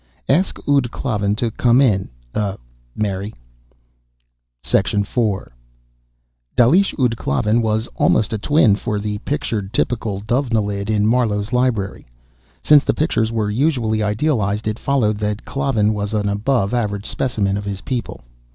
"Ask ud Klavan to come in, uh ... Mary." IV. Dalish ud Klavan was almost a twin for the pictured typical Dovenilid in Marlowe's library. Since the pictures were usually idealized, it followed that Klavan was an above average specimen of his people.